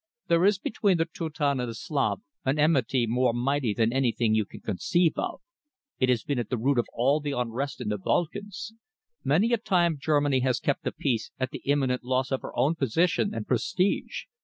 There is between the Teuton and the Slav an enmity more mighty than anything you can conceive of. It has been at the root of all the unrest in the Balkans. Many a time Germany has kept the peace at the imminent loss of her own position and prestige.